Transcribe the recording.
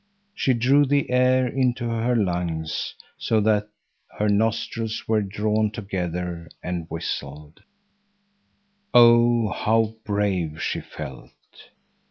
She drew the air into her lungs so that her nostrils were drawn together and whistled. Oh, how brave she felt!